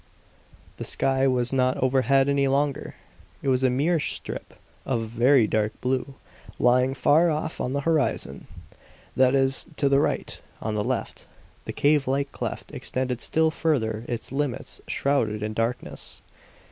The sky was not overhead any longer; it was a mere strip of very dark blue, lying far off on the horizon. That is, to the right; on the left, the cavelike cleft extended still further, its limits shrouded in darkness.